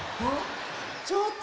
ちょっと。